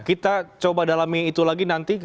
kita coba dalami itu lagi nanti